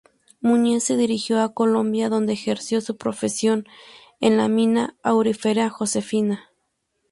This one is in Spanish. Muñiz se dirigió a Colombia, donde ejerció su profesión en la mina aurífera Josefina.